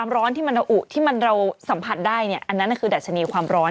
ร้อนที่เราสัมผัสได้อันนั้นคือดัชนีความร้อน